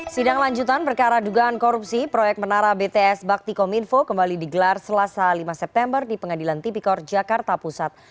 sidang lanjutan perkara dugaan korupsi proyek menara bts bakti kominfo kembali digelar selasa lima september di pengadilan tipikor jakarta pusat